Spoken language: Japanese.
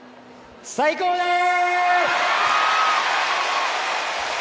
最高でーす！